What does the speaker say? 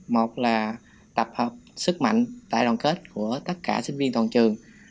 một là tập hợp sức mạnh đại đoàn kết của tất cả sinh viên toàn trường